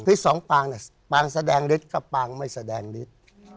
สองปางเนี่ยปางแสดงฤทธิ์ก็ปางไม่แสดงฤทธิ์